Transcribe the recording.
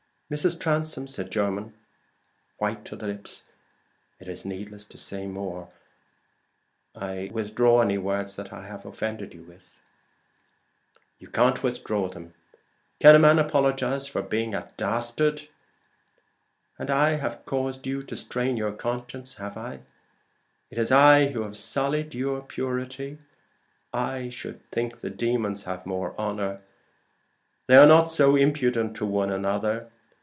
"Mrs. Transome," said Jermyn, white to the lips, "it is needless to say more. I withdraw any words that have offended you." "You can't withdraw them. Can a man apologize for being a dastard? And I have caused you to strain your conscience, have I? it is I who have sullied your purity? I should think the demons have more honor they are not so impudent to one another.